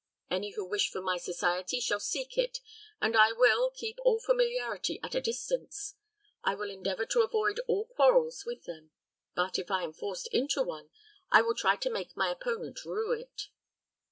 Any who wish for my society shall seek it, and I will, keep all familiarity at a distance. I will endeavor to avoid all quarrels with them; but, if I am forced into one, I will try to make my opponent rue it."